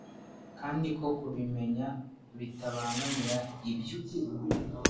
Kandi ko kubimenya bitabangamira ibyo